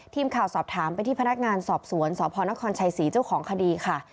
ทีมข่าวสอบถามไปที่พนักงานสอบสวนสพนครชัยศรีเจ้าของคดีค่ะ